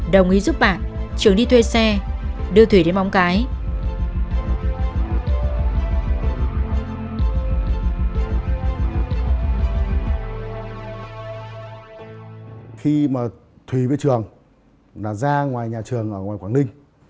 đồng ý giúp bạn trường đi thuê xe đưa thùy đến bóng cái